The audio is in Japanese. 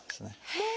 へえ！